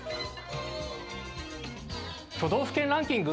都道府県ランキング